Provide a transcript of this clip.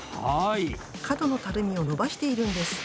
角のたるみを伸ばしているんです。